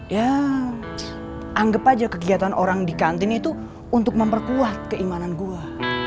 ya anggap aja kegiatan orang di kantin itu untuk memperkuat keimanan gue